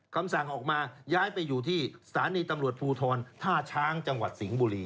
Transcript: คำสั่งออกมาย้ายไปอยู่ที่สถานีตำรวจภูทรท่าช้างจังหวัดสิงห์บุรี